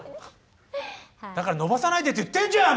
「だから伸ばさないでって言ってるじゃん！」